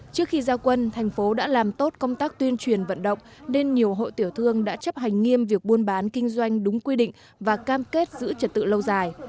trước khi giao quân thành phố đã làm tốt công tác tuyên truyền vận động nên nhiều hộ tiểu thương đã chấp hành nghiêm việc buôn bán kinh doanh đúng quy định và cam kết giữ trật tự lâu dài